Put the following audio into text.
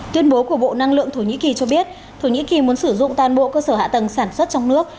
tuyên bố của bộ năng lượng thổ nhĩ kỳ cho biết thổ nhĩ kỳ muốn sử dụng toàn bộ cơ sở hạ tầng sản xuất trong nước